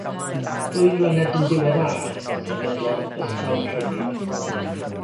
Ddwy flynedd yn ddiweddarach sefydlodd Ysgol Rhyddid.